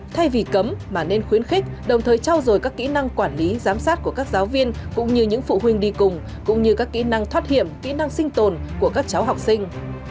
thay vì cấm mà nên khuyến khích đồng thời trao dồi các kỹ năng quản lý giám sát của các giáo viên cũng như những phụ huynh đi cùng cũng như các kỹ năng thoát hiểm kỹ năng sinh tồn của các cháu học sinh